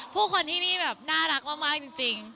ผู้คนที่นี่แบบน่ารักมากจริง